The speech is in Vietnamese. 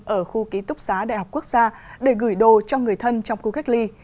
ở khu ký túc xá đại học quốc gia để gửi đồ cho người thân trong khu cách ly